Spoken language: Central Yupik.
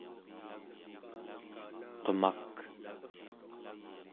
qemak